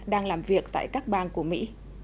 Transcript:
đang làm việc tại các bang của mỹ